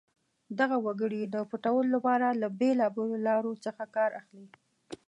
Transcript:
دغه وګړي د پټولو لپاره له بېلابېلو لارو څخه کار اخلي.